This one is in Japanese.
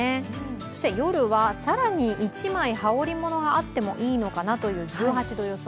そして夜は、更に１枚羽織物があってもいいのかなという１８度予想。